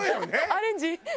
アレンジ！